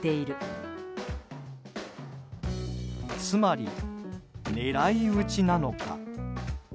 つまり、狙い撃ちなのか？